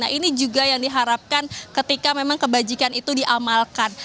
nah ini juga yang diharapkan ketika memang kebajikan itu diamalkan